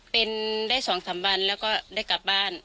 เป็นได้๒๓วันแล้วก็ได้กลับบ้าน